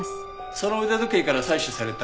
その腕時計から採取された強化